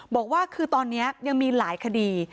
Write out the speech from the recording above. บอกว่าคือตอนนี้ยังมีหลายคดี